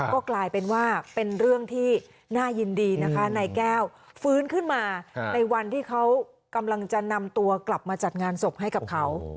ก็กลายเป็นว่าเป็นเรื่องที่น่ายินดีนะคะนายแก้วฟื้นขึ้นมาในวันที่เขากำลังจะนำตัวกลับมาจัดงานศพให้กับเขา